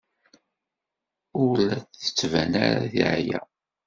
Ur la d-tettban ara teɛya.